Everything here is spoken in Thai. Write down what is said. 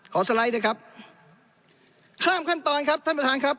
สไลด์ด้วยครับข้ามขั้นตอนครับท่านประธานครับ